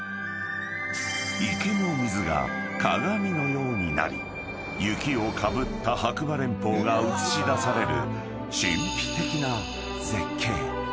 ［池の水が鏡のようになり雪をかぶった白馬連峰が映し出される］